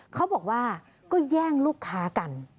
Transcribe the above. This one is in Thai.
เขาบอกว่าก็แย่งลูกค้ากัน